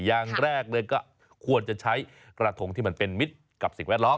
อย่างแรกเลยก็ควรจะใช้กระทงที่มันเป็นมิตรกับสิ่งแวดล้อม